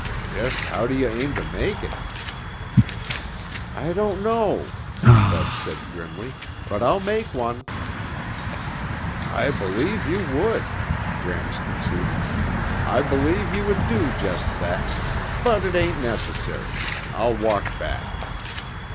"Just how do you aim to make it?" "I don't know," Bud said grimly, "but I'll make one." "I believe you would," Gramps conceded. "I believe you would do just that, but it ain't necessary. I'll walk back."